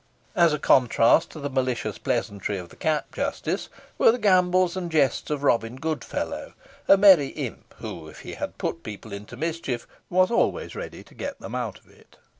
As a contrast to the malicious pleasantry of the Cap Justice, were the gambols and jests of Robin Goodfellow a merry imp, who, if he led people into mischief, was always ready to get them out of it.